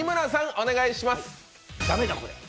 お願いします。